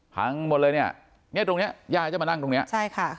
พังหมดเลยเนี่ยเนี้ยเนี้ยตรงเนี้ยย่าจะมานั่งตรงเนี้ยใช่ค่ะ